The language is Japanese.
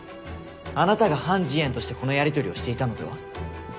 あなたがハン・ジエンとしてこのやりとりをしていたのでは？